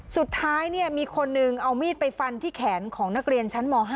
สุดท้ายมีคนหนึ่งเอามีดไปฟันที่แขนของนักเรียนชั้นม๕